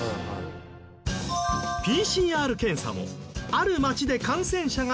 ＰＣＲ検査もある町で感染者が出たら。